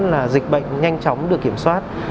là dịch bệnh nhanh chóng được kiểm soát